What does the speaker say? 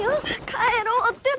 帰ろうってば。